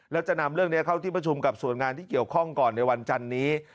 แล้วจะนำเรื่องนี้เข้าที่ประชุมกับส่วนงานที่เกี่ยวข้องก่อนในวันจันนี้